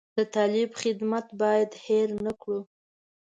د طالبانو خدمت باید هیر نه کړو.